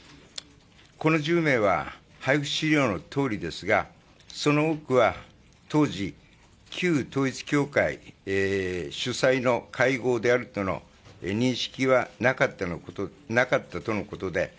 この１０名は配付資料のとおりですが、その多くは当時、旧統一教会主催の会合であるとの認識はなかったとのことです。